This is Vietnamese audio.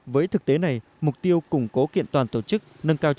với thực tế này mục tiêu củng cố kiện toàn tổ chức